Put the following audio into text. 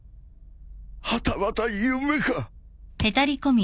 はたまた夢か？